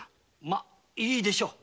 まぁいいでしょう。